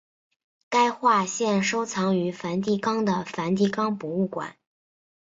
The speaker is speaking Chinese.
该画现收藏于梵蒂冈的梵蒂冈博物馆。